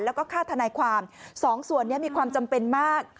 แล้วก็ค่าทนายความสองส่วนนี้มีความจำเป็นมาก